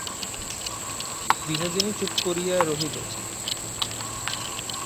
বিনোদিনী চুপ করিয়া রহিল।